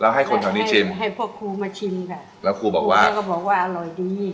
ให้คนแถวนี้ชิมให้พวกครูมาชิมค่ะแล้วครูบอกว่าแม่ก็บอกว่าอร่อยดี